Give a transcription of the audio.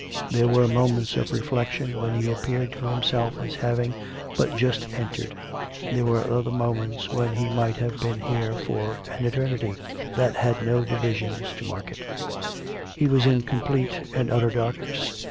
There were moments of reflec tion when he appeared to himself as having but just en tered; there were other moments when he might have been here for an eternity that had no divisions to mark it. He was in complete and utter darkness.